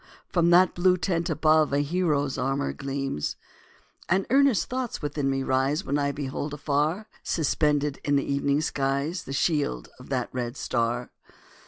from that blue tent above, A hero's armour gleams. And earnest thoughts within me rise, When I behold afar, Suspended in the evening skies The shield of that red star.